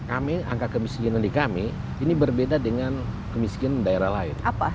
kami angka kemiskinan di kami ini berbeda dengan kemiskinan daerah lain